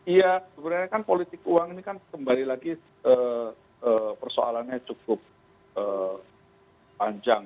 iya sebenarnya kan politik uang ini kan kembali lagi persoalannya cukup panjang